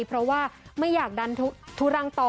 เพราะว่าไม่อยากดันทุรังต่อ